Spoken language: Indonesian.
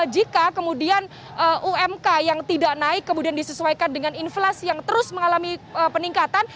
jika kemudian umk yang tidak naik kemudian disesuaikan dengan inflasi yang terus mengalami peningkatan